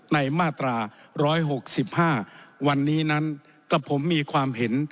มาตรา๑๖๕วันนี้นั้นกับผมมีความเห็น